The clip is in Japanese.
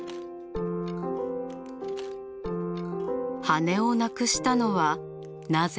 羽根をなくしたのはなぜ？